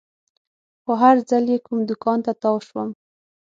خو هر ځل چې کوم دوکان ته تاو شوم.